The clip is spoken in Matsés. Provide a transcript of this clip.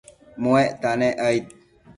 muecta nec aid